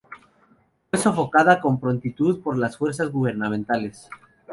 Fue sofocada con prontitud por las fuerzas gubernamentales.